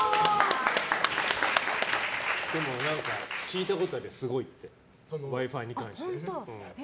聞いたことある、すごいってＷｉ‐Ｆｉに関しては。